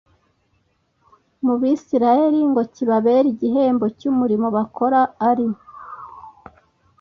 mu bisirayeli ngo kibabere igihembo cy umurimo bakora ari